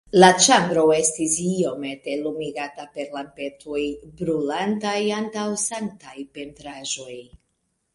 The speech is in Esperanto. La ĉambro estis iomete lumigata per lampetoj, brulantaj antaŭ sanktaj pentraĵoj.